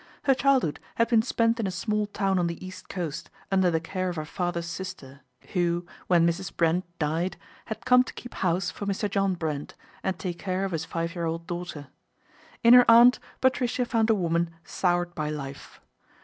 Her childhood had been spent in a small town on the East Coast under the care of her father's sister who, when Mrs. Brent died, had come to keep house for Mr. John Brent and take care of his five year old daughter. In her aunt Patricia found a woman soured by life.